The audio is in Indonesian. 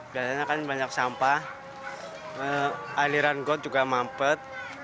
biasanya kan banyak sampah aliran got juga mampet